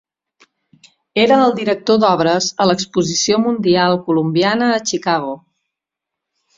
Era el director d'obres a l'exposició mundial colombiana a Chicago.